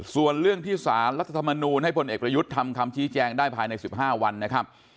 ส่วนเรื่องที่สารรัฐธรรมนูลให้พลเอกประยุทธ์ทำคำชี้แจงได้ภายใน๑๕วันนะครับ